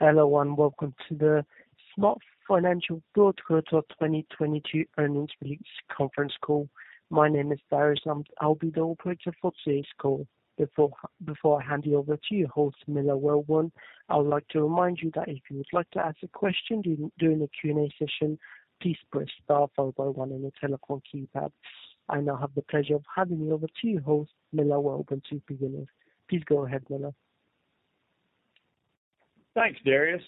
Hello, and welcome to the SmartFinancial Third Quarter 2022 Earnings Release Conference Call. My name is Darius, and I'll be the operator for today's call. Before I hand you over to your host, Miller Welborn, I would like to remind you that if you would like to ask a question during the Q&A session, please press star zero one on your telephone keypad. I now have the pleasure of handing you over to your host, Miller Welborn, to begin. Please go ahead, Miller. Thanks, Darius.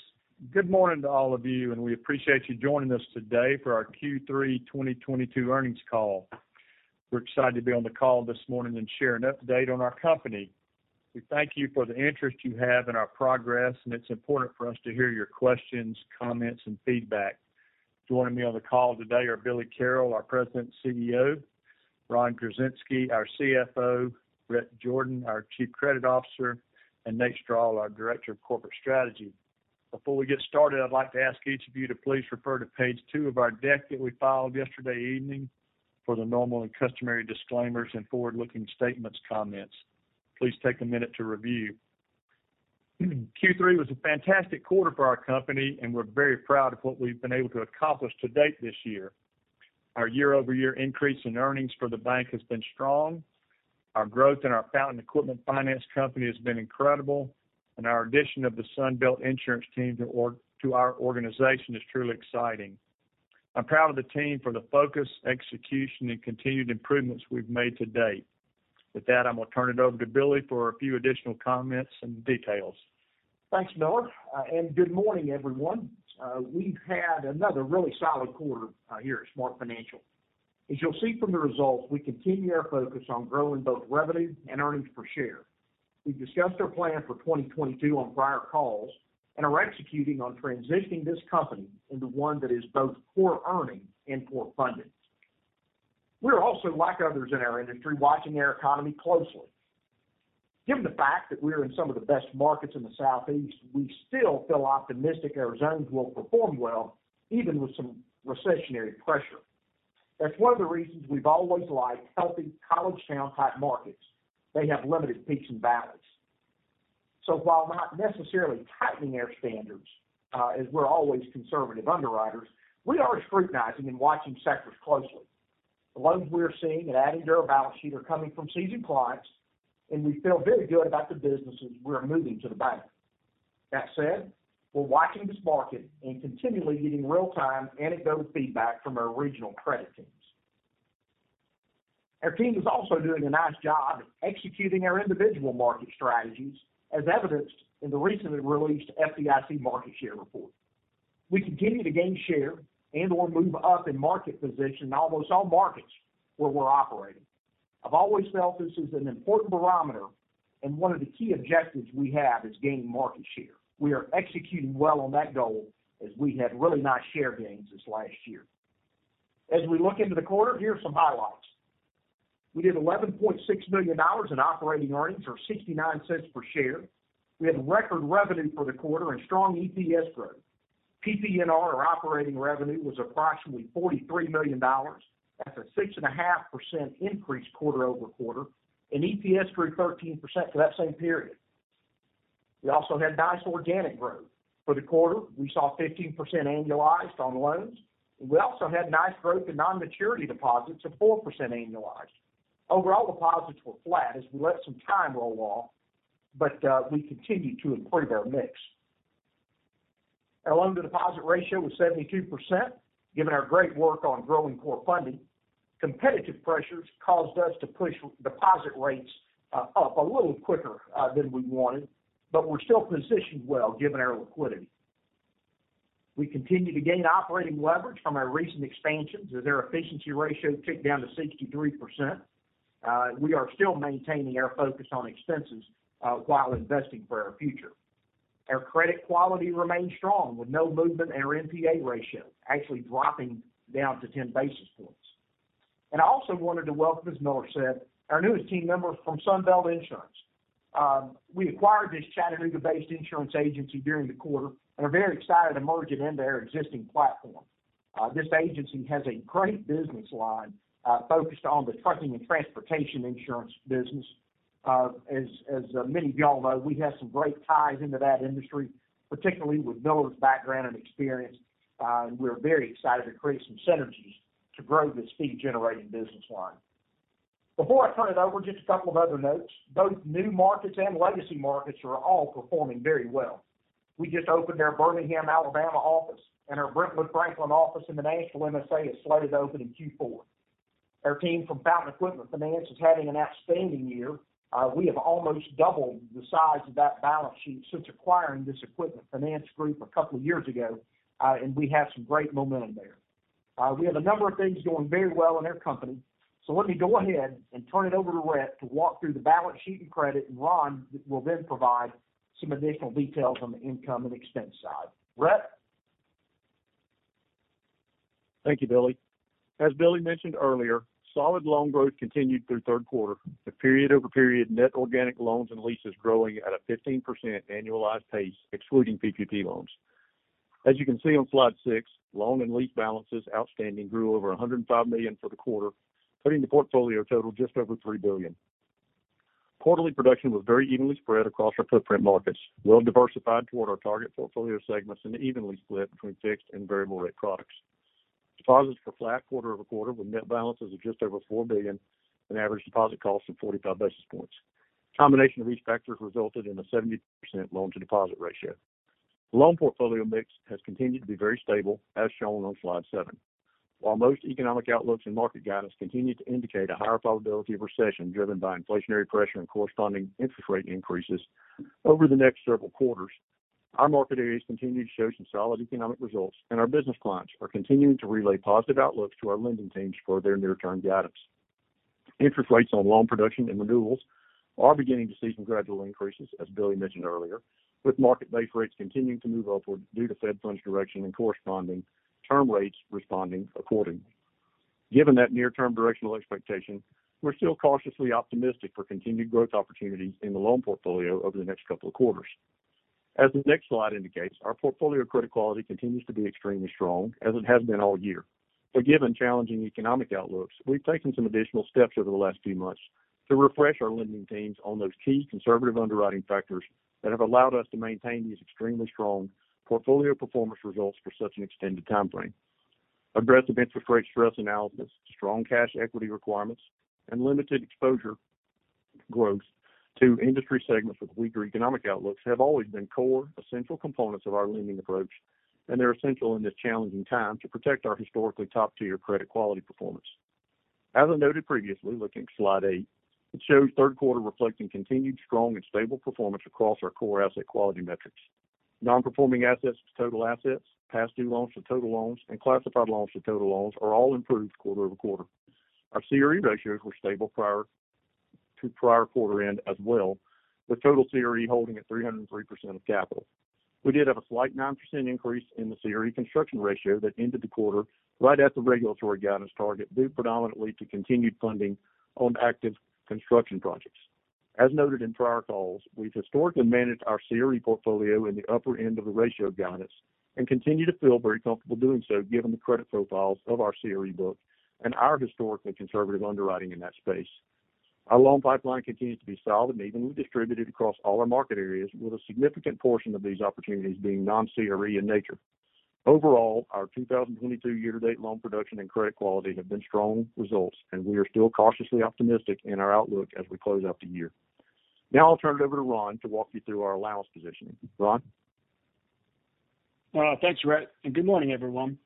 Good morning to all of you, and we appreciate you joining us today for our Q3 2022 earnings call. We're excited to be on the call this morning and share an update on our company. We thank you for the interest you have in our progress, and it's important for us to hear your questions, comments, and feedback. Joining me on the call today are Billy Carroll, our President and CEO, Ron Gorczynski, our CFO, Rhett Jordan, our Chief Credit Officer, and Nate Strall, our Director of Corporate Strategy. Before we get started, I'd like to ask each of you to please refer to page two of our deck that we filed yesterday evening for the normal and customary disclaimers and forward-looking statements comments. Please take a minute to review. Q3 was a fantastic quarter for our company, and we're very proud of what we've been able to accomplish to date this year. Our year-over-year increase in earnings for the bank has been strong. Our growth in our Fountain Equipment Finance company has been incredible, and our addition of the Sunbelt Insurance team to our organization is truly exciting. I'm proud of the team for the focus, execution, and continued improvements we've made to date. With that, I'm gonna turn it over to Billy for a few additional comments and details. Thanks, Miller, and good morning, everyone. We've had another really solid quarter here at SmartFinancial. As you'll see from the results, we continue our focus on growing both revenue and earnings per share. We've discussed our plan for 2022 on prior calls and are executing on transitioning this company into one that is both core earning and core funding. We're also, like others in our industry, watching our economy closely. Given the fact that we're in some of the best markets in the Southeast, we still feel optimistic our loans will perform well, even with some recessionary pressure. That's one of the reasons we've always liked healthy college town-type markets. They have limited peaks and valleys. While not necessarily tightening our standards, as we're always conservative underwriters, we are scrutinizing and watching sectors closely. The loans we're seeing and adding to our balance sheet are coming from seasoned clients, and we feel very good about the businesses we are moving to the bank. That said, we're watching this market and continually getting real-time anecdotal feedback from our regional credit teams. Our team is also doing a nice job at executing our individual market strategies, as evidenced in the recently released FDIC market share report. We continue to gain share and/or move up in market position in almost all markets where we're operating. I've always felt this is an important barometer, and one of the key objectives we have is gaining market share. We are executing well on that goal as we had really nice share gains this last year. As we look into the quarter, here are some highlights. We did $11.6 million in operating earnings or $0.69 per share. We had record revenue for the quarter and strong EPS growth. PPNR, our operating revenue, was approximately $43 million. That's a 6.5% increase quarter-over-quarter, and EPS grew 13% for that same period. We also had nice organic growth. For the quarter, we saw 15% annualized on loans. We also had nice growth in non-maturity deposits of 4% annualized. Overall deposits were flat as we let some time roll off, but we continued to improve our mix. Our loan-to-deposit ratio was 72%, given our great work on growing core funding. Competitive pressures caused us to push deposit rates up a little quicker than we wanted, but we're still positioned well, given our liquidity. We continue to gain operating leverage from our recent expansions as our efficiency ratio ticked down to 63%. We are still maintaining our focus on expenses, while investing for our future. Our credit quality remains strong with no movement in our NPA ratio, actually dropping down to 10 basis points. I also wanted to welcome, as Miller said, our newest team members from Sunbelt Insurance. We acquired this Chattanooga-based insurance agency during the quarter and are very excited to merge it into our existing platform. This agency has a great business line, focused on the trucking and transportation insurance business. As many of y'all know, we have some great ties into that industry, particularly with Miller's background and experience. We're very excited to create some synergies to grow this fee-generating business line. Before I turn it over, just a couple of other notes. Both new markets and legacy markets are all performing very well. We just opened our Birmingham, Alabama office, and our Brentwood, Franklin office in the Nashville MSA is slated to open in Q4. Our team from Fountain Equipment Finance is having an outstanding year. We have almost doubled the size of that balance sheet since acquiring this equipment finance group a couple of years ago, and we have some great momentum there. We have a number of things going very well in our company, so let me go ahead and turn it over to Rhett to walk through the balance sheet and credit, and Ron will then provide some additional details on the income and expense side. Rhett? Thank you, Billy. As Billy mentioned earlier, solid loan growth continued through third quarter, with period-over-period net organic loans and leases growing at a 15% annualized pace, excluding PPP loans. As you can see on slide six, loan and lease balances outstanding grew over $105 million for the quarter, putting the portfolio total just over $3 billion. Quarterly production was very evenly spread across our footprint markets, well diversified toward our target portfolio segments, and evenly split between fixed and variable rate products. Deposits were flat quarter-over-quarter, with net balances of just over $4 billion and average deposit costs of 45 basis points. Combination of these factors resulted in a 70% loan to deposit ratio. The loan portfolio mix has continued to be very stable, as shown on slide seven. While most economic outlooks and market guidance continue to indicate a higher probability of recession driven by inflationary pressure and corresponding interest rate increases over the next several quarters, our market areas continue to show some solid economic results, and our business clients are continuing to relay positive outlooks to our lending teams for their near-term guidance. Interest rates on loan production and renewals are beginning to see some gradual increases, as Billy mentioned earlier, with market-based rates continuing to move upward due to Fed funds direction and corresponding term rates responding accordingly. Given that near-term directional expectation, we're still cautiously optimistic for continued growth opportunities in the loan portfolio over the next couple of quarters. As the next slide indicates, our portfolio credit quality continues to be extremely strong as it has been all year. Given challenging economic outlooks, we've taken some additional steps over the last few months to refresh our lending teams on those key conservative underwriting factors that have allowed us to maintain these extremely strong portfolio performance results for such an extended time frame. Aggressive interest rate stress analysis, strong cash equity requirements, and limited exposure growth to industry segments with weaker economic outlooks have always been core essential components of our lending approach, and they're essential in this challenging time to protect our historically top-tier credit quality performance. As I noted previously, looking at slide eight, it shows third quarter reflecting continued strong and stable performance across our core asset quality metrics. Non-performing assets to total assets, past due loans to total loans, and classified loans to total loans are all improved quarter-over-quarter. Our CRE ratios were stable prior to quarter end as well, with total CRE holding at 303% of capital. We did have a slight 9% increase in the CRE construction ratio that ended the quarter right at the regulatory guidance target, due predominantly to continued funding on active construction projects. As noted in prior calls, we've historically managed our CRE portfolio in the upper end of the ratio guidance and continue to feel very comfortable doing so, given the credit profiles of our CRE book and our historically conservative underwriting in that space. Our loan pipeline continues to be solid and evenly distributed across all our market areas, with a significant portion of these opportunities being non-CRE in nature. Overall, our 2022 year to date loan production and credit quality have been strong results, and we are still cautiously optimistic in our outlook as we close out the year. Now I'll turn it over to Ron to walk you through our allowance positioning. Ron? Thanks, Rhett, and good morning, everyone.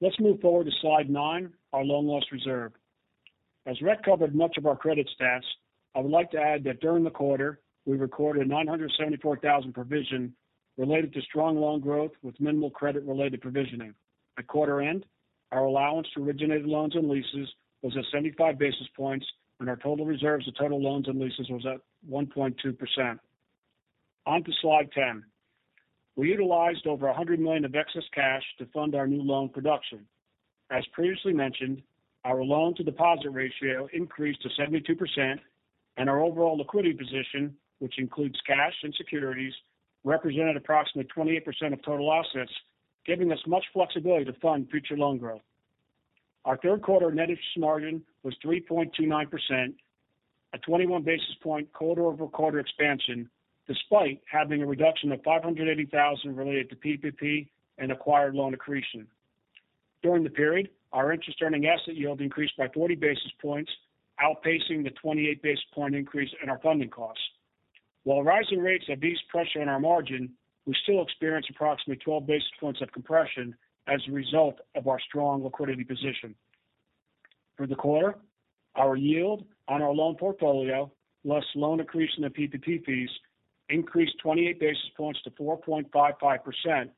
Let's move forward to slide nine, our loan loss reserve. As Rhett covered much of our credit stats, I would like to add that during the quarter, we recorded $974,000 provision related to strong loan growth with minimal credit related provisioning. At quarter end, our allowance to originated loans and leases was at 75 basis points, and our total reserves to total loans and leases was at 1.2%. On to slide 10. We utilized over $100 million of excess cash to fund our new loan production. As previously mentioned, our loan to deposit ratio increased to 72%, and our overall liquidity position, which includes cash and securities, represented approximately 28% of total assets, giving us much flexibility to fund future loan growth. Our third quarter net interest margin was 3.29%, a 21 basis point quarter-over-quarter expansion, despite having a reduction of $580,000 related to PPP and acquired loan accretion. During the period, our interest earning asset yield increased by 40 basis points, outpacing the 28 basis point increase in our funding costs. While rising rates have eased pressure on our margin, we still experienced approximately 12 basis points of compression as a result of our strong liquidity position. For the quarter, our yield on our loan portfolio, less loan accretion and PPP fees, increased 28 basis points to 4.55%,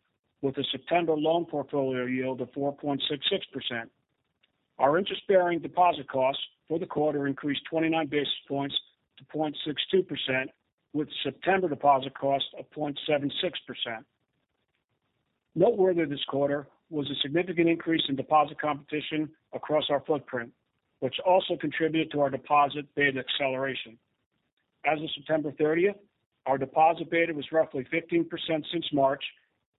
with a September loan portfolio yield of 4.66%. Our interest-bearing deposit costs for the quarter increased 29 basis points to 0.62%, with September deposit cost of 0.76%. Noteworthy this quarter was a significant increase in deposit competition across our footprint, which also contributed to our deposit beta acceleration. As of September 30, our deposit beta was roughly 15% since March,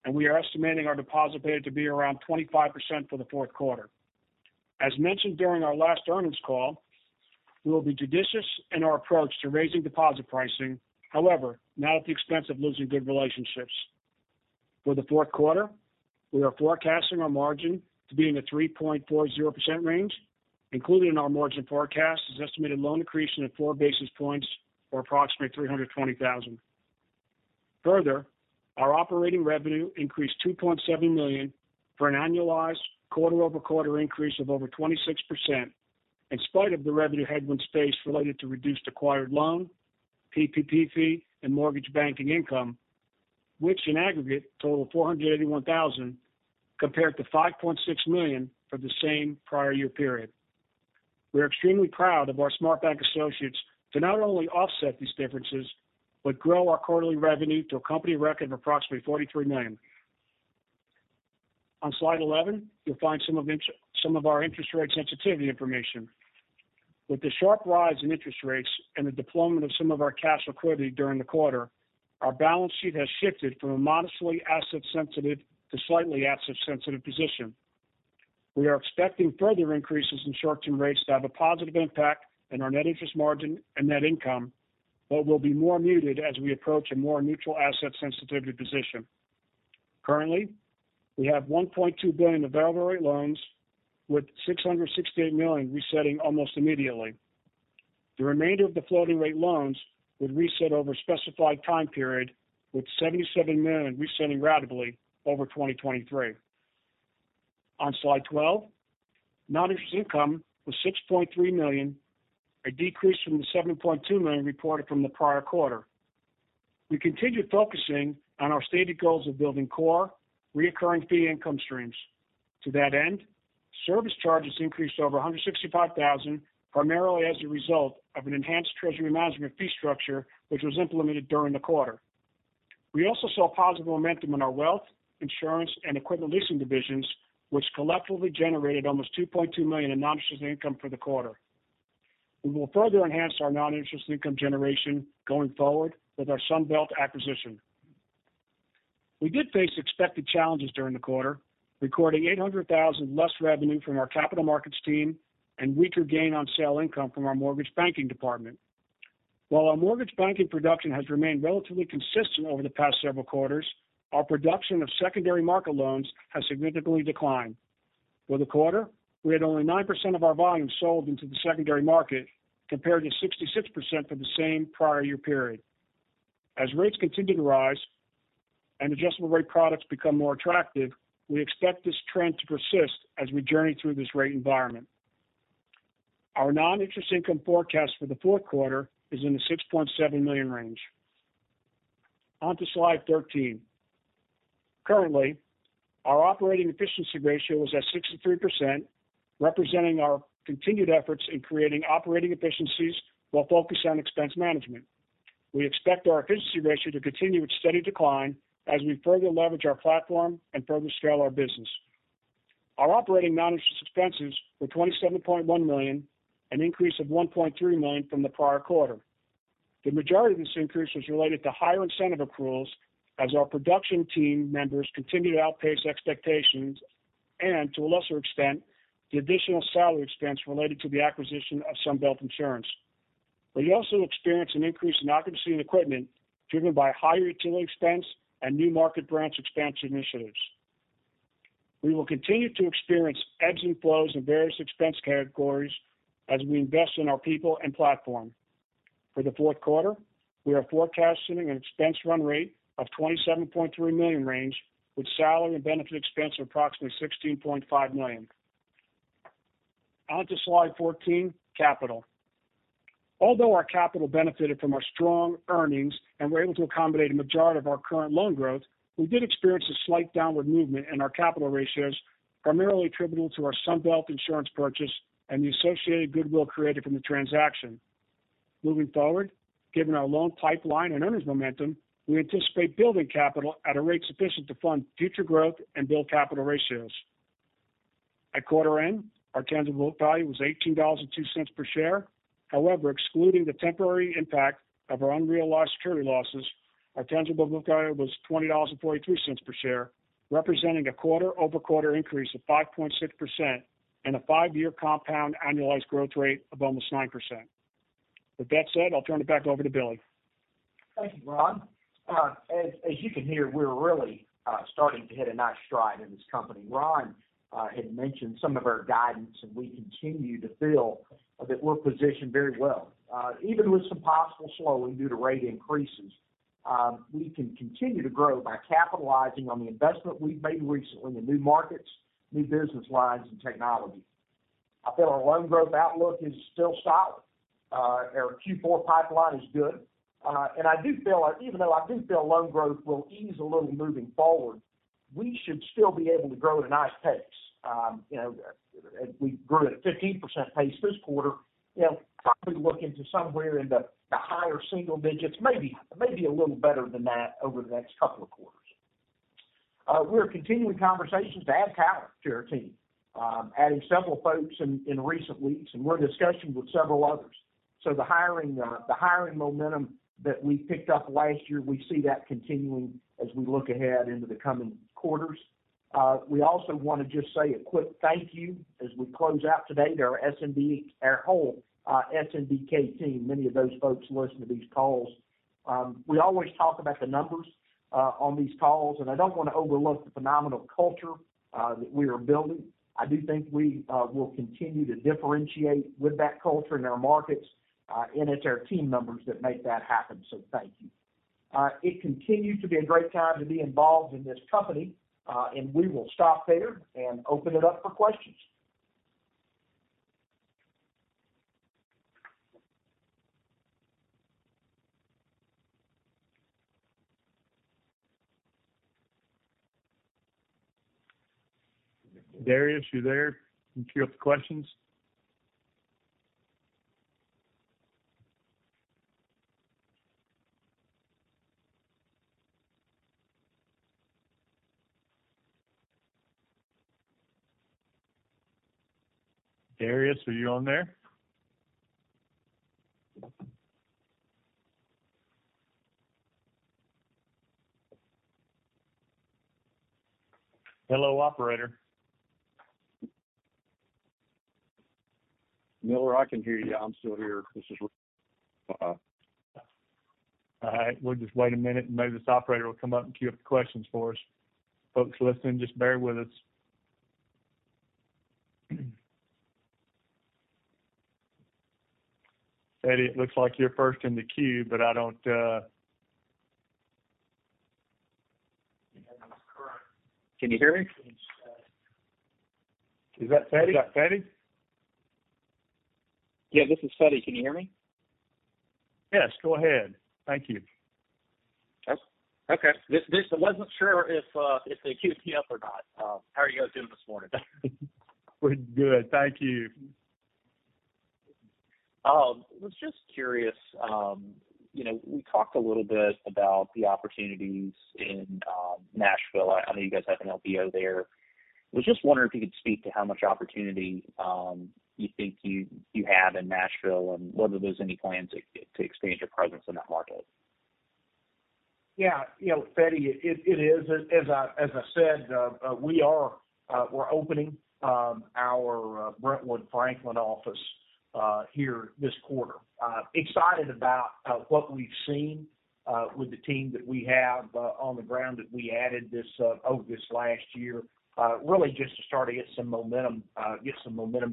and we are estimating our deposit beta to be around 25% for the fourth quarter. As mentioned during our last earnings call, we will be judicious in our approach to raising deposit pricing, however, not at the expense of losing good relationships. For the fourth quarter, we are forecasting our margin to be in the 3.40% range. Included in our margin forecast is estimated loan accretion of 4 basis points or approximately $320,000. Further, our operating revenue increased $2.7 million for an annualized quarter-over-quarter increase of over 26%, in spite of the revenue headwinds faced related to reduced acquired loan, PPP fee, and mortgage banking income, which in aggregate total $481,000 compared to $5.6 million for the same prior year period. We are extremely proud of our SmartBank associates to not only offset these differences, but grow our quarterly revenue to a company record of approximately $43 million. On slide 11, you'll find some of our interest rate sensitivity information. With the sharp rise in interest rates and the deployment of some of our cash liquidity during the quarter, our balance sheet has shifted from a modestly asset sensitive to slightly asset sensitive position. We are expecting further increases in short-term rates to have a positive impact in our net interest margin and net income, but will be more muted as we approach a more neutral asset sensitivity position. Currently, we have $1.2 billion of variable rate loans with $668 million resetting almost immediately. The remainder of the floating rate loans would reset over a specified time period, with $77 million resetting ratably over 2023. On slide 12, non-interest income was $6.3 million, a decrease from the $7.2 million reported from the prior quarter. We continued focusing on our stated goals of building core recurring fee income streams. To that end, service charges increased over $165,000, primarily as a result of an enhanced treasury management fee structure, which was implemented during the quarter. We also saw positive momentum in our wealth, insurance, and equipment leasing divisions, which collectively generated almost $2.2 million in non-interest income for the quarter. We will further enhance our non-interest income generation going forward with our Sunbelt acquisition. We did face expected challenges during the quarter, recording $800,000 less revenue from our capital markets team and weaker gain on sale income from our mortgage banking department. While our mortgage banking production has remained relatively consistent over the past several quarters, our production of secondary market loans has significantly declined. For the quarter, we had only 9% of our volume sold into the secondary market, compared to 66% for the same prior year period. As rates continue to rise and adjustable rate products become more attractive, we expect this trend to persist as we journey through this rate environment. Our non-interest income forecast for the fourth quarter is in the $6.7 million range. On to slide 13. Currently, our operating efficiency ratio is at 63%, representing our continued efforts in creating operating efficiencies while focused on expense management. We expect our efficiency ratio to continue its steady decline as we further leverage our platform and further scale our business. Our operating non-interest expenses were $27.1 million, an increase of $1.3 million from the prior quarter. The majority of this increase was related to higher incentive accruals as our production team members continued to outpace expectations and to a lesser extent, the additional salary expense related to the acquisition of Sunbelt Insurance. We also experienced an increase in occupancy and equipment driven by higher utility expense and new market branch expansion initiatives. We will continue to experience ebbs and flows in various expense categories as we invest in our people and platform. For the fourth quarter, we are forecasting an expense run rate of $27.3 million range with salary and benefit expense of approximately $16.5 million. On to slide 14, capital. Although our capital benefited from our strong earnings and we're able to accommodate a majority of our current loan growth, we did experience a slight downward movement in our capital ratios, primarily attributable to our Sunbelt Insurance purchase and the associated goodwill created from the transaction. Moving forward, given our loan pipeline and earnings momentum, we anticipate building capital at a rate sufficient to fund future growth and build capital ratios. At quarter end, our tangible book value was $18.02 per share. However, excluding the temporary impact of our unrealized security losses, our tangible book value was $20.42 per share, representing a quarter-over-quarter increase of 5.6% and a five-year compound annualized growth rate of almost 9%. With that said, I'll turn it back over to Billy. Thank you, Ron. As you can hear, we're really starting to hit a nice stride in this company. Ron had mentioned some of our guidance, and we continue to feel that we're positioned very well. Even with some possible slowing due to rate increases, we can continue to grow by capitalizing on the investment we've made recently in new markets, new business lines, and technology. I feel our loan growth outlook is still solid. Our Q4 pipeline is good. I do feel, even though loan growth will ease a little moving forward, we should still be able to grow at a nice pace. You know, we grew at a 15% pace this quarter. You know, probably look into somewhere in the higher single digits, maybe a little better than that over the next couple of quarters. We're continuing conversations to add talent to our team, adding several folks in recent weeks, and we're in discussions with several others. The hiring momentum that we picked up last year, we see that continuing as we look ahead into the coming quarters. We also wanna just say a quick thank you as we close out today to our SMBK, our whole SMBK team. Many of those folks listen to these calls. We always talk about the numbers on these calls, and I don't wanna overlook the phenomenal culture that we are building. I do think we will continue to differentiate with that culture in our markets, and it's our team members that make that happen, so thank you. It continues to be a great time to be involved in this company, and we will stop there and open it up for questions. Darius, you there? Can you queue up the questions? Darius, are you on there? Hello, operator. Miller, I can hear you. I'm still here. This is Ron. All right, we'll just wait a minute, and maybe this operator will come up and queue up the questions for us. Folks listening, just bear with us. Thomas Reid, it looks like you're first in the queue, but I don't. Yeah, that's correct. Can you hear me? Is that Thomas Reid? Is that Thomas Reid? Yeah, this is Reid. Can you hear me? Yes, go ahead. Thank you. Okay. I wasn't sure if they cued me up or not. How are you guys doing this morning? We're good. Thank you. Was just curious, you know, we talked a little bit about the opportunities in Nashville. I know you guys have an LPO there. Was just wondering if you could speak to how much opportunity you think you have in Nashville and whether there's any plans to expand your presence in that market? Yeah. You know, Thomas Reid, it is. As I said, we are opening our Brentwood Franklin office here this quarter. Excited about what we've seen with the team that we have on the ground that we added over this last year, really just to start to get some momentum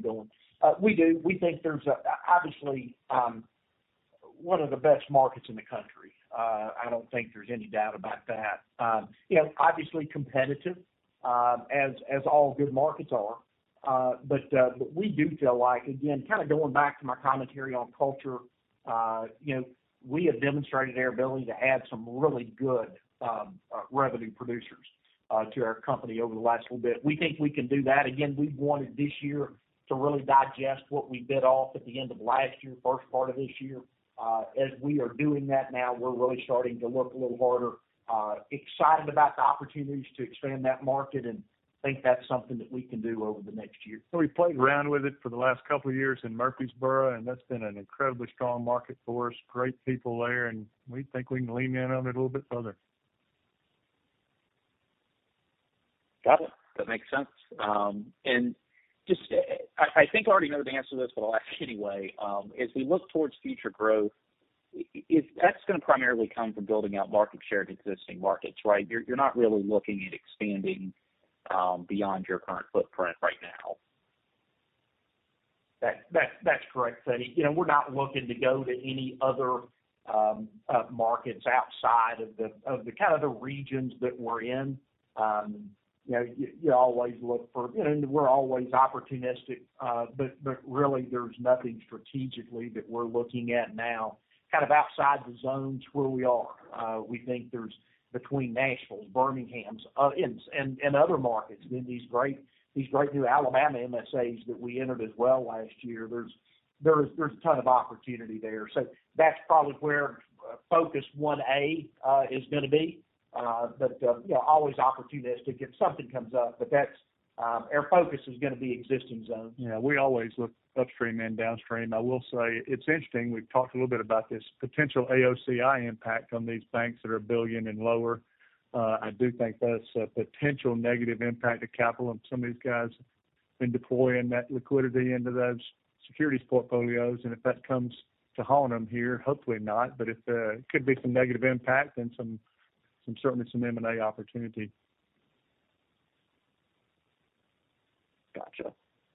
going. We think there's obviously one of the best markets in the country. I don't think there's any doubt about that. You know, obviously competitive, as all good markets are. We do feel like, again, kind of going back to my commentary on culture, you know, we have demonstrated our ability to add some really good revenue producers to our company over the last little bit. We think we can do that. Again, we wanted this year to really digest what we bit off at the end of last year, first part of this year. As we are doing that now, we're really starting to look a little harder, excited about the opportunities to expand that market and think that's something that we can do over the next year. We played around with it for the last couple of years in Murfreesboro, and that's been an incredibly strong market for us, great people there, and we think we can lean in on it a little bit further. Got it. That makes sense. Just, I think I already know the answer to this, but I'll ask anyway. As we look towards future growth, that's gonna primarily come from building out market share to existing markets, right? You're not really looking at expanding beyond your current footprint right now. That's correct, Reid. You know, we're not looking to go to any other markets outside of the kind of the regions that we're in. You know, you always look for, and we're always opportunistic, but really there's nothing strategically that we're looking at now, kind of outside the zones where we are. We think there's between Nashville's, Birmingham's, and other markets, then these great new Alabama MSAs that we entered as well last year, there's a ton of opportunity there. That's probably where focus area is gonna be. You know, always opportunistic if something comes up, but that's our focus is gonna be existing zones. Yeah, we always look upstream and downstream. I will say it's interesting, we've talked a little bit about this potential AOCI impact on these banks that are a billion and lower. I do think that's a potential negative impact to capital, and some of these guys been deploying that liquidity into those securities portfolios. If that comes to haunt them here, hopefully not, but if could be some negative impact and certainly some M&A opportunity.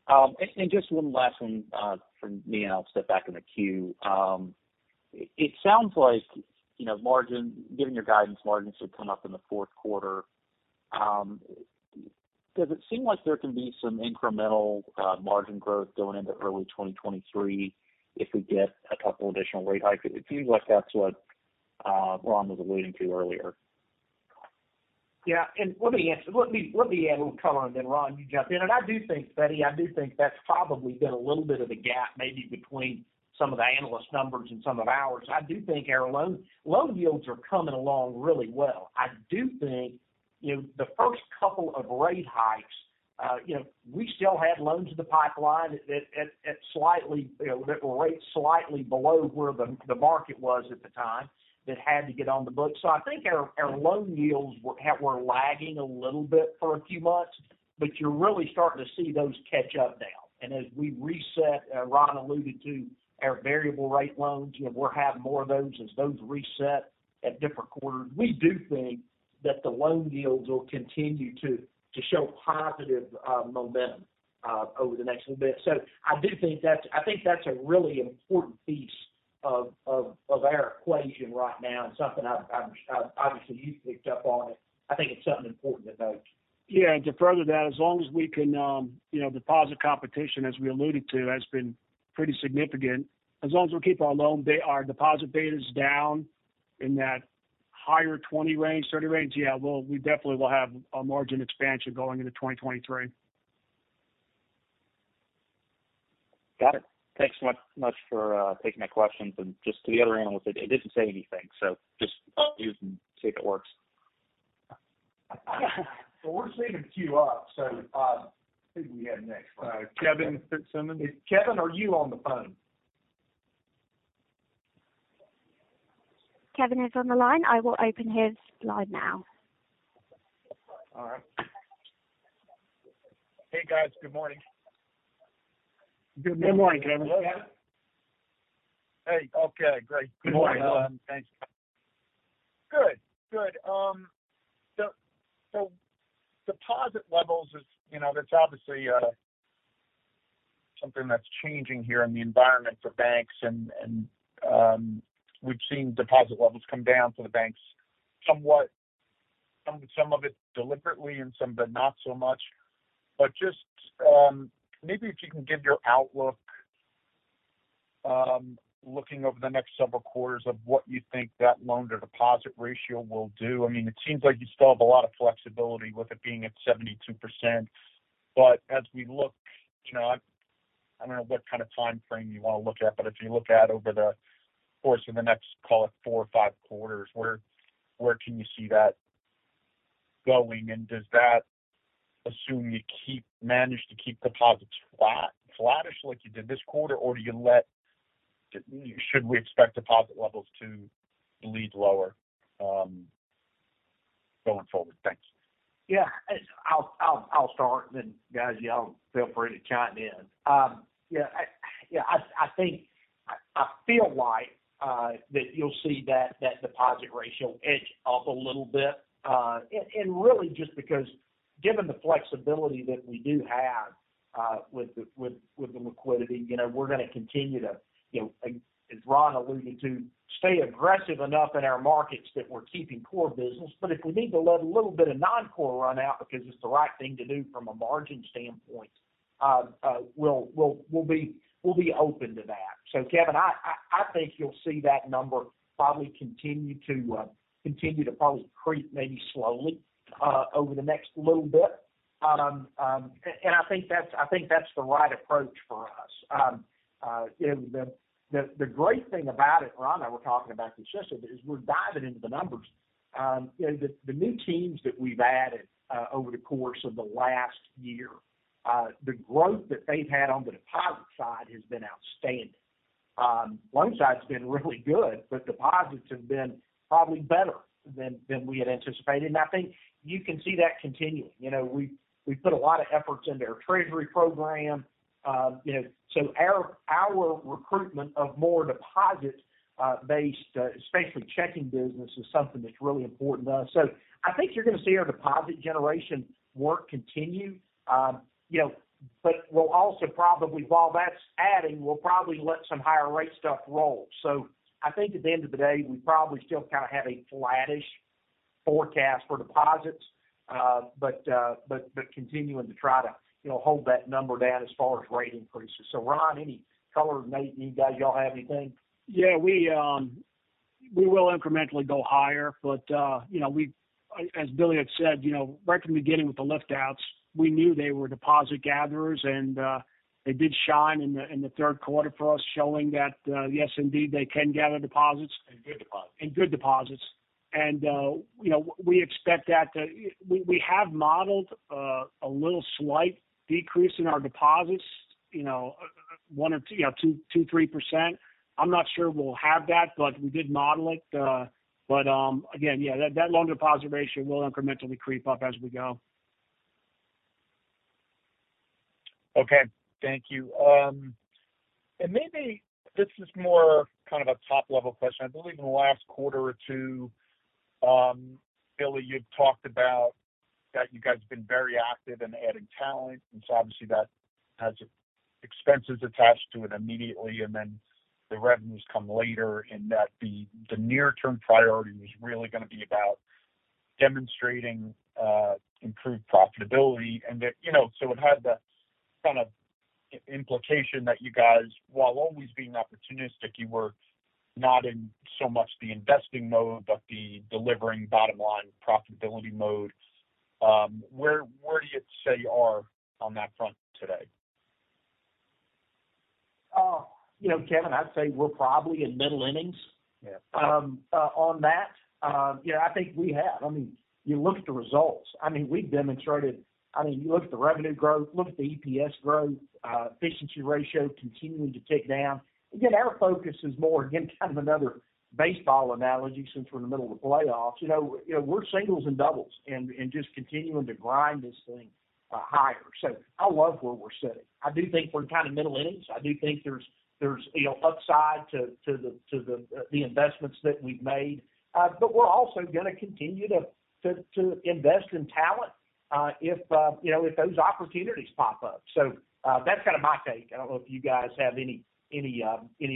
Gotcha. Just one last one from me, and I'll step back in the queue. It sounds like, you know, margin, given your guidance margins have come up in the fourth quarter, does it seem like there can be some incremental margin growth going into early 2023 if we get a couple additional rate hikes? It seems like that's what Ron was alluding to earlier. Yeah. Let me add a little color and then Ron, you jump in. I do think, Reid, that's probably been a little bit of a gap maybe between some of the analyst numbers and some of ours. I do think our loan yields are coming along really well. I do think, you know, the first couple of rate hikes, you know, we still had loans in the pipeline that were at rates slightly below where the market was at the time that had to get on the books. I think our loan yields were lagging a little bit for a few months, but you're really starting to see those catch up now. As we reset, Ron alluded to our variable rate loans, you know, we'll have more of those as those reset at different quarters. We do think that the loan yields will continue to show positive momentum over the next little bit. I think that's a really important piece of our equation right now and something I've obviously you've picked up on it. I think it's something important to note. Yeah. To further that, as long as we can, you know, deposit competition, as we alluded to, has been pretty significant. As long as we keep our deposit betas down in that higher 20 range, 30 range, yeah, we'll, we definitely will have a margin expansion going into 2023. Got it. Thanks so much for taking my questions. Just to the other analyst, it didn't say anything. Just see if it works. Well, we're seeing it queue up. Who do we have next? Kevin Fitzsimmons. Is Kevin, are you on the phone? Kevin is on the line. I will open his line now. All right. Hey, guys. Good morning. Good morning, Kevin. Hey. Okay, great. Good morning. Thanks. Good. Deposit levels is, you know, that's obviously something that's changing here in the environment for banks and we've seen deposit levels come down for the banks, somewhat. Some of it deliberately and some but not so much. Just, maybe if you can give your outlook, looking over the next several quarters of what you think that loan-to-deposit ratio will do. I mean, it seems like you still have a lot of flexibility with it being at 72%. As we look, you know, I don't know what kind of timeframe you wanna look at, but if you look at over the course of the next, call it four or five quarters, where can you see that going? Does that assume you keep... Manage to keep deposits flattish like you did this quarter? Should we expect deposit levels to bleed lower going forward? Thanks. Yeah, I'll start, and then, guys, y'all feel free to chime in. Yeah, I think I feel like that you'll see that deposit ratio edge up a little bit. And really just because given the flexibility that we do have with the liquidity, you know, we're gonna continue to, you know, as Ron alluded to, stay aggressive enough in our markets that we're keeping core business. But if we need to let a little bit of non-core run out because it's the right thing to do from a margin standpoint, we'll be open to that. Kevin, I think you'll see that number probably continue to creep maybe slowly over the next little bit. I think that's the right approach for us. The great thing about it, Ron, we were talking about this yesterday, is we're diving into the numbers. You know, the new teams that we've added over the course of the last year, the growth that they've had on the deposit side has been outstanding. Loan side's been really good, but deposits have been probably better than we had anticipated. I think you can see that continuing. You know, we've put a lot of efforts into our treasury program. You know, so our recruitment of more deposit-based, especially checking business is something that's really important to us. I think you're gonna see our deposit generation work continue. You know, but we'll also probably, while that's adding, we'll probably let some higher rate stuff roll. I think at the end of the day, we probably still kinda have a flattish forecast for deposits, but continuing to try to, you know, hold that number down as far as rate increases. Ron, any color? Nate, you guys, y'all have anything? Yeah. We will incrementally go higher. You know, as Billy had said, you know, right from the beginning with the lift outs, we knew they were deposit gatherers and they did shine in the third quarter for us, showing that, yes, indeed, they can gather deposits. Good deposits. Good deposits. You know, we expect that we have modeled a little slight decrease in our deposits, you know, one or two, you know, 2-3%. I'm not sure we'll have that, but we did model it. Again, yeah, that loan deposit ratio will incrementally creep up as we go. Okay. Thank you. And maybe this is more kind of a top-level question. I believe in the last quarter or two, Billy, you've talked about that you guys have been very active in adding talent, and so obviously that has expenses attached to it immediately, and then the revenues come later. That the near-term priority was really gonna be about demonstrating improved profitability. That, you know, so it had the kind of implication that you guys, while always being opportunistic, you were not in so much the investing mode, but the delivering bottom-line profitability mode. Where do you say you are on that front today? You know, Kevin, I'd say we're probably in middle innings. Yeah. On that. You know, I think we have. I mean, you look at the results. I mean, we've demonstrated. I mean, you look at the revenue growth. Look at the EPS growth. Efficiency ratio continuing to tick down. Again, our focus is more, again, kind of another baseball analogy since we're in the middle of the playoffs. You know, we're singles and doubles and just continuing to grind this thing higher. I love where we're sitting. I do think we're kind of middle innings. I do think there's you know, upside to the investments that we've made. But we're also gonna continue to invest in talent, if you know, if those opportunities pop up. That's kinda my take. I don't know if you guys have any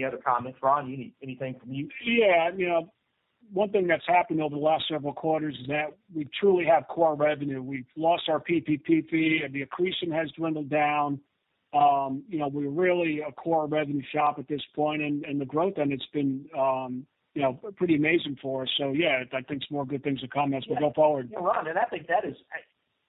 other comments? Ron, you need anything from you? Yeah. You know, one thing that's happened over the last several quarters is that we truly have core revenue. We've lost our PPP, and the accretion has dwindled down. You know, we're really a core revenue shop at this point, and the growth then has been, you know, pretty amazing for us. Yeah, I think some more good things to come as we go forward. Yeah, Ron, I think that is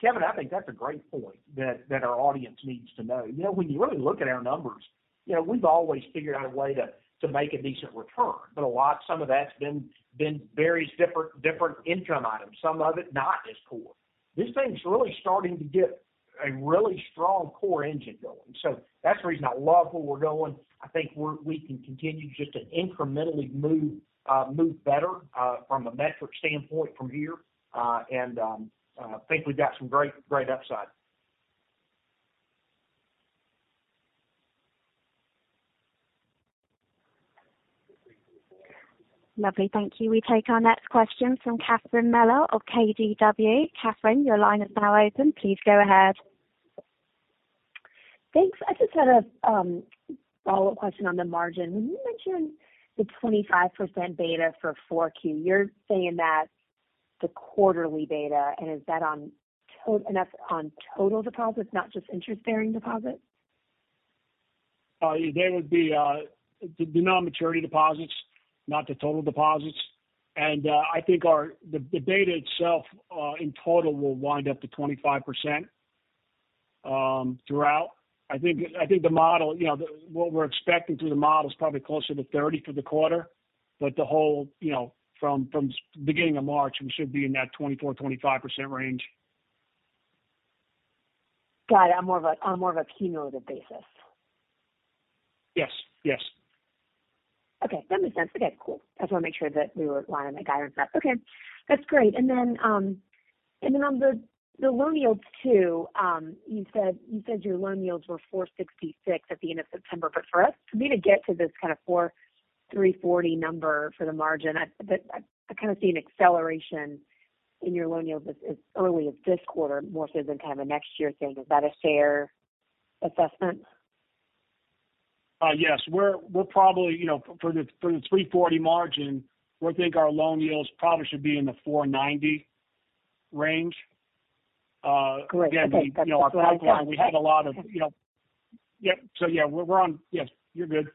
Kevin, I think that's a great point that our audience needs to know. You know, when you really look at our numbers, you know, we've always figured out a way to make a decent return. A lot, some of that's been various different income items, some of it not as core. This thing's really starting to get. A really strong core engine going. That's the reason I love where we're going. I think we can continue just to incrementally move better from a metric standpoint from here. I think we've got some great upside. Lovely. Thank you. We take our next question from Catherine Mealor of KBW. Catherine, your line is now open. Please go ahead. Thanks. I just had a follow-up question on the margin. When you mentioned the 25% beta for 4Q, you're saying that the quarterly beta, and is that on total deposits, not just interest-bearing deposits? They would be the non-maturity deposits, not the total deposits. I think the beta itself in total will wind up to 25% throughout. I think the model, you know, what we're expecting through the model is probably closer to 30% for the quarter. The whole, you know, from beginning of March, we should be in that 24%-25% range. Got it. On more of a cumulative basis. Yes. Yes. Okay. That makes sense. Okay, cool. I just wanna make sure that we were aligned on the guidance there. Okay, that's great. Then on the loan yields too, you said your loan yields were 4.66% at the end of September. For me to get to this kind of 4.340 number for the margin, I kinda see an acceleration in your loan yields as early as this quarter more so than kind of a next year thing. Is that a fair assessment? Yes. We're probably, you know, for the 3.40% margin, we think our loan yields probably should be in the 4.90% range. Great. Okay. Again, you know, our pipeline, we have a lot of, you know. Yeah. Yeah. We're on. Yes. You're good.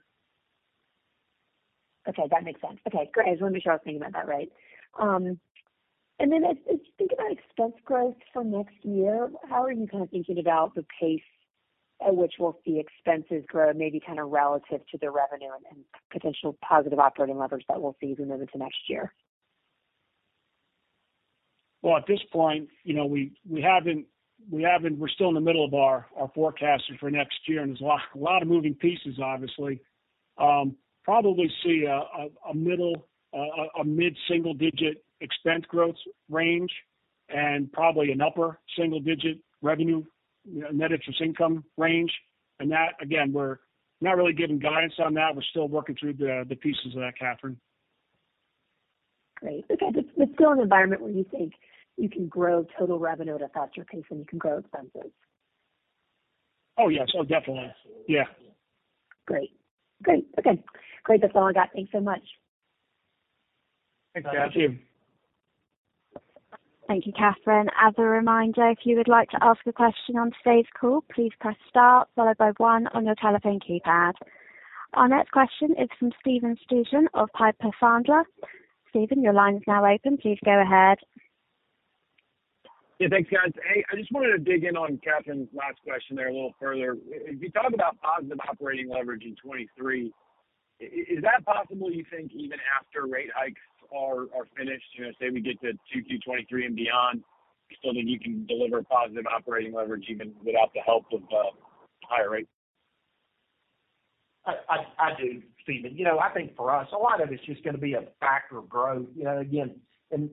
Okay. That makes sense. Okay, great. I just wanted to be sure I was thinking about that right. As you think about expense growth for next year, how are you kind of thinking about the pace at which we'll see expenses grow, maybe kind of relative to the revenue and potential positive operating levers that we'll see even into next year? Well, at this point, you know, we haven't. We're still in the middle of our forecasting for next year, and there's a lot of moving pieces, obviously. Probably see a mid-single digit expense growth range and probably an upper single digit revenue, you know, net interest income range. That, again, we're not really giving guidance on that. We're still working through the pieces of that, Catherine. Great. Okay. Still an environment where you think you can grow total revenue at a faster pace than you can grow expenses? Oh, yes. Oh, definitely. Yeah. Great. Okay. That's all I got. Thanks so much. Thanks, Catherine. Thank you, Catherine. As a reminder, if you would like to ask a question on today's call, please press star followed by one on your telephone keypad. Our next question is from Stephen Scouten of Piper Sandler. Stephen, your line is now open. Please go ahead. Yeah, thanks, guys. Hey, I just wanted to dig in on Catherine's last question there a little further. If you talk about positive operating leverage in 2023, is that possible, you think, even after rate hikes are finished? You know, say we get to 2Q 2023 and beyond, so then you can deliver positive operating leverage even without the help of higher rates. I do, Stephen. You know, I think for us, a lot of it's just gonna be a factor of growth. You know, again,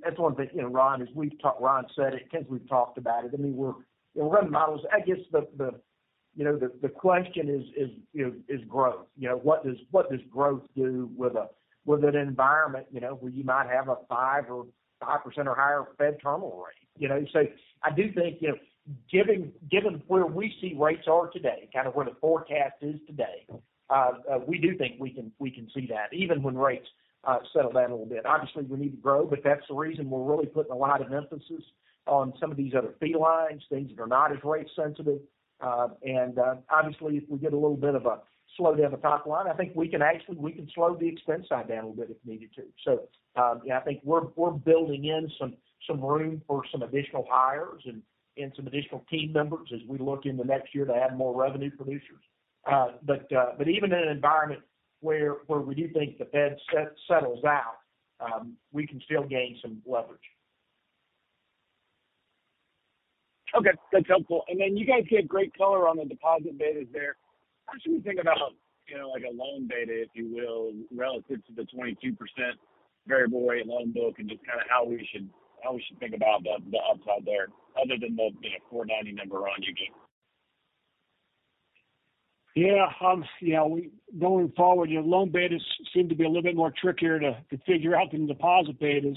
that's one thing, you know, Ron said it, Ken, we've talked about it. I mean, we're you know running models. I guess the question is growth. You know, what does growth do with an environment, you know, where you might have a 5% or higher Fed terminal rate. You know, I do think, you know, given where we see rates are today, kind of where the forecast is today, we do think we can see that even when rates settle down a little bit. Obviously, we need to grow, but that's the reason we're really putting a lot of emphasis on some of these other fee lines, things that are not as rate sensitive. Obviously, if we get a little bit of a slowdown in the top line, I think we can actually slow the expense side down a bit if needed to. I think we're building in some room for some additional hires and some additional team members as we look in the next year to add more revenue producers. Even in an environment where we do think the Fed settles out, we can still gain some leverage. Okay. That's helpful. You guys gave great color on the deposit betas there. How should we think about, you know, like a loan beta, if you will, relative to the 22% variable rate loan book and just kinda how we should think about the upside there other than the, you know, 4.90 number, Ron, you gave? Yeah. Going forward, loan betas seem to be a little bit more trickier to figure out than deposit betas.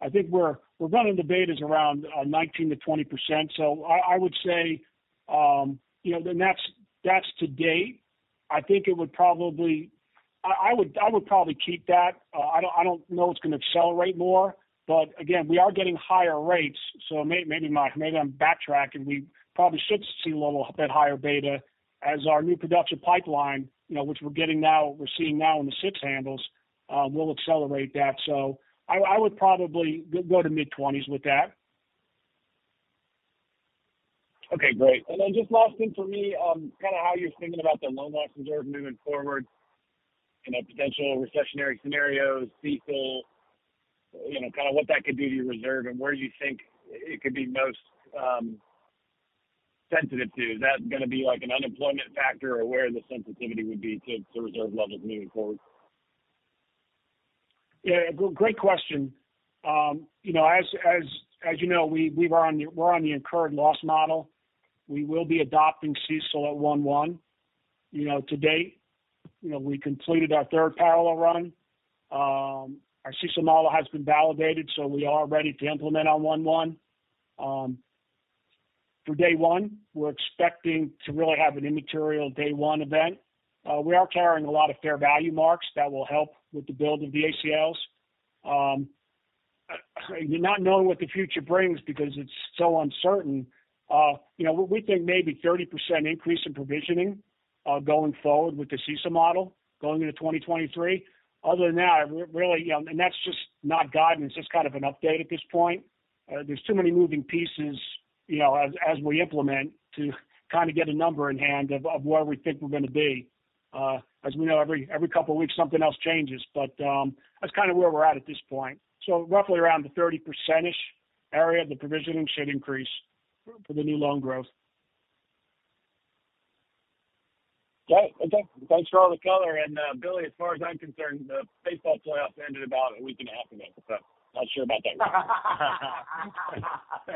I think we're running the betas around 19%-20%. I would say, you know, then that's to date. I think it would probably. I would probably keep that. I don't know it's gonna accelerate more. But again, we are getting higher rates, so maybe not. Maybe I'm backtracking. We probably should see a little bit higher beta as our new production pipeline, you know, which we're seeing now in the six handles will accelerate that. I would probably go to mid-20s with that. Okay, great. Just last thing for me, kinda how you're thinking about the loan loss reserve moving forward in a potential recessionary scenario, CECL. You know, kind of what that could do to your reserve and where you think it could be most sensitive to. Is that gonna be like an unemployment factor or where the sensitivity would be to reserve levels moving forward? Yeah, great question. You know, as you know, we're on the incurred loss model. We will be adopting CECL at 1/1. You know, to date, you know, we completed our third parallel run. Our CECL model has been validated, so we are ready to implement on 1/1. For day one, we're expecting to really have an immaterial day one event. We are carrying a lot of fair value marks that will help with the build of the ACLs. You not knowing what the future brings because it's so uncertain. You know, we think maybe 30% increase in provisioning, going forward with the CECL model going into 2023. Other than that, really, and that's just not guidance, just kind of an update at this point. There's too many moving pieces, you know, as we implement to kind of get a number in hand of where we think we're gonna be. As we know, every couple of weeks something else changes. That's kind of where we're at this point. Roughly around the 30%-ish area, the provisioning should increase for the new loan growth. Okay. Again, thanks for all the color. Billy, as far as I'm concerned, the baseball playoffs ended about a week and a half ago, so not sure about that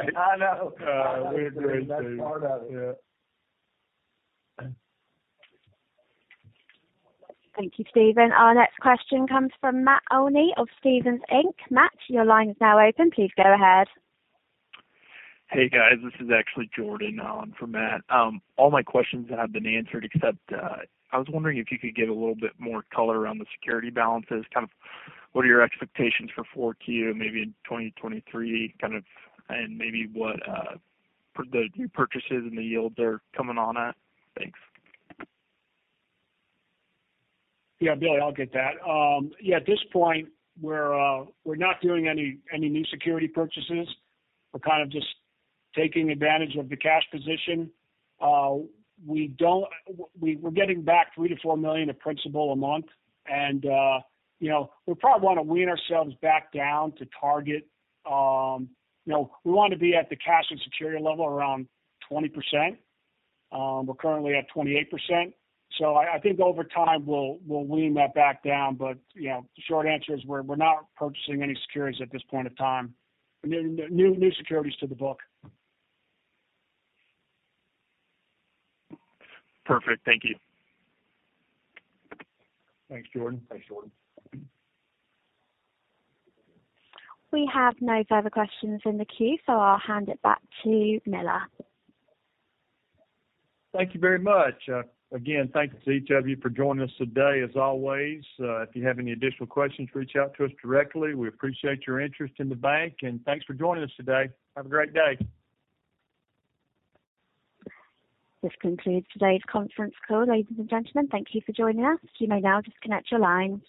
one. I know. We agree, too. That's part of it. Yeah. Thank you, Stephen. Our next question comes from Matt Olney of Stephens Inc. Matt, your line is now open. Please go ahead. Hey, guys. This is actually Jordan on for Matt. All my questions have been answered, except I was wondering if you could give a little bit more color around the securities balances, kind of what are your expectations for 4Q, maybe in 2023 kind of, and maybe what the purchases and the yields are coming on at. Thanks. Yeah, Billy, I'll get that. Yeah, at this point we're not doing any new security purchases. We're kind of just taking advantage of the cash position. We're getting back $3 million-$4 million of principal a month. You know, we probably wanna wean ourselves back down to target. You know, we wanna be at the cash and security level around 20%. We're currently at 28%, so I think over time we'll wean that back down. You know, the short answer is we're not purchasing any securities at this point in time. New securities to the book. Perfect. Thank you. Thanks, Jordan. Thanks, Jordan. We have no further questions in the queue, so I'll hand it back to Miller. Thank you very much. Again, thanks to each of you for joining us today. As always, if you have any additional questions, reach out to us directly. We appreciate your interest in the bank and thanks for joining us today. Have a great day. This concludes today's conference call. Ladies and gentlemen, thank you for joining us. You may now disconnect your lines.